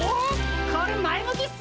これ前向きっす！